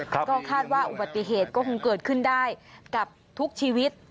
ก็คาดว่าอุบัติเหตุก็คงเกิดขึ้นได้กับทุกชีวิต